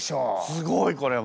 すごいこれは。